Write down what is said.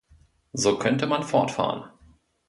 So könnte man fortfahren.